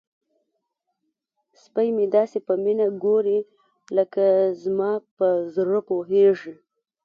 سپی مې داسې په مینه ګوري لکه زما په زړه پوهیږي.